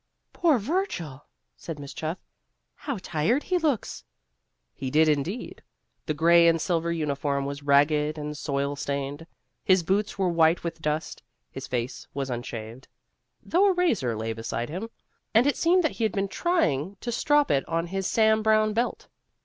"Poor Virgil!" said Miss Chuff. "How tired he looks." He did, indeed. The gray and silver uniform was ragged and soil stained; his boots were white with dust; his face was unshaved, though a razor lay beside him, and it seemed that he had been trying to strop it on his Sam Browne belt.